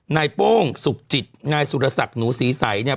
นายโป้งสุขจิตนายสุรสักหนูสีใส